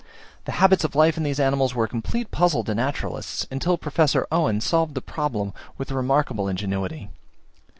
The habits of life of these animals were a complete puzzle to naturalists, until Professor Owen solved the problem with remarkable ingenuity.